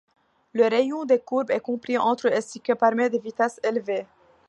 Le rayon des courbes est compris entre et ce qui permet des vitesses élevées.